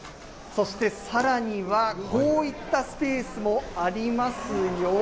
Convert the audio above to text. そして、さらにはこういったスペースもありますよ。